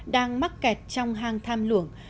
đang mắc kẹt trong hang tham luổng